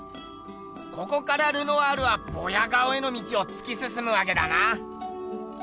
ここからルノワールはボヤ顔への道をつきすすむわけだな。